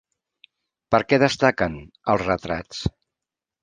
Per què destaquen els retrats?